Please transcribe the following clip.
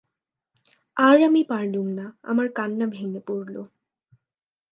আর আমি পারলুম না, আমার কান্না ভেঙে পড়ল।